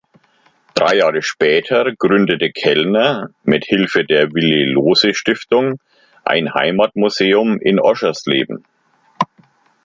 Drei Jahre später gründete Kellner mit Hilfe der Willy-Lohse-Stiftung ein Heimatmuseum in Oschersleben.